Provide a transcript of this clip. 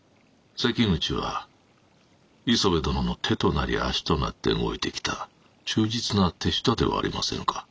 関口は磯部殿の手となり足となって動いてきた忠実な手下ではありませぬか。